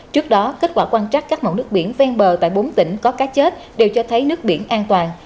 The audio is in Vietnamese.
trước đó kết quả quan trắc các mẫu nước biển ven bờ tại bốn tỉnh có cá chết đều cho thấy nước biển an toàn